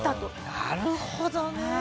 なるほどね！